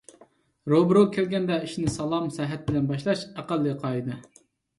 روبىرو كەلگەندە ئىشنى سالام - سەھەت بىلەن باشلاش ئەقەللىي قائىدە.